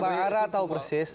pak ara tahu persis